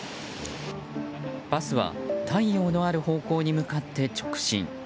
バスは、太陽のある方向に向かって直進。